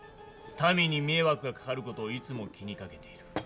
民に迷惑がかかる事をいつも気にかけている。